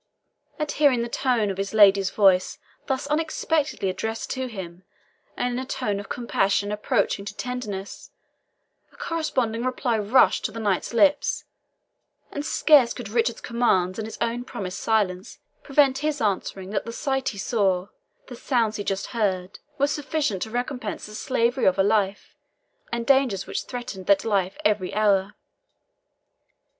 At hearing the tones of his lady's voice thus unexpectedly addressed to him, and in a tone of compassion approaching to tenderness, a corresponding reply rushed to the knight's lips, and scarce could Richard's commands and his own promised silence prevent his answering that the sight he saw, the sounds he just heard, were sufficient to recompense the slavery of a life, and dangers which threatened that life every hour.